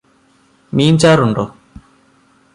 മീൻ ചാറുണ്ടോ?